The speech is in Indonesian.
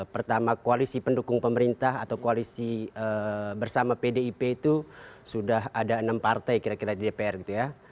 pertama koalisi pendukung pemerintah atau koalisi bersama pdip itu sudah ada enam partai kira kira di dpr gitu ya